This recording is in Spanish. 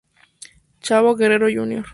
Chavo Guerrero, Jr.